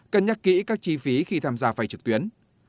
cân nhắc kỹ các chi phí khi tham gia vay trực tuyến